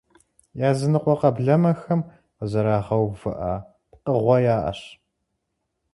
Языныкъуэ къэблэмэхэм къызэрагъэувыӀэ пкъыгъуэ яӀэщ.